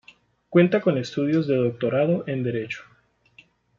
Cuenta con estudios de Doctorado en Derecho.